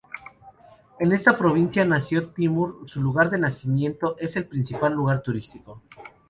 En esta provincia nació Timur; su lugar de nacimiento es el principal lugar turístico.